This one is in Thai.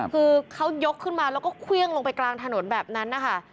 คือเขายกขึ้นมาแล้วก็เครื่องลงไปกลางถนนแบบนั้นนะคะ